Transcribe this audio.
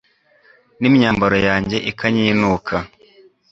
n'imyambaro yanjye ikanyinuka